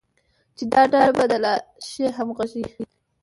چې دا ډله به د لا ښې همغږۍ،